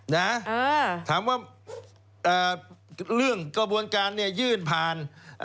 นะฮะถามว่าเรื่องกระบวนการยื่นผ่าน